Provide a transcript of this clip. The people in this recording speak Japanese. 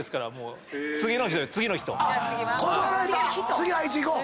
次あいついこう。